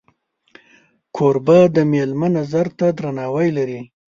کوربه د میلمه نظر ته درناوی لري.